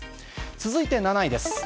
続いて７位です。